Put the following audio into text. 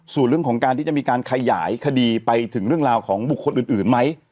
ส่วนเรื่องของการที่จะมีการขยายคดีไปถึงเรื่องราวของบุคคลอื่นไหม